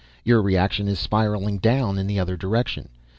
Your reaction is spiraling down in the other direction.